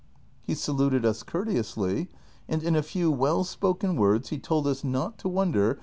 He saluted us courteously, and in a fcAv Avell spoken words he told us not to Avonder at ' Prov.